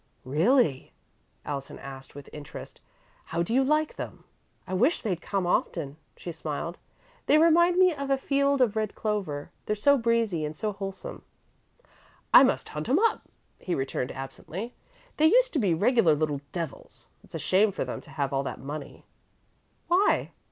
"Really?" Allison asked, with interest. "How do you like them?" "I wish they'd come often," she smiled. "They remind me of a field of red clover, they're so breezy and so wholesome." "I must hunt 'em up," he returned, absently. "They used to be regular little devils. It's a shame for them to have all that money." "Why?"